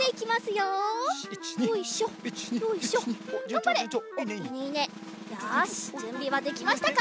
よしじゅんびはできましたか？